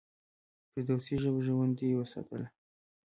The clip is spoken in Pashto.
فردوسي ژبه ژوندۍ وساتله.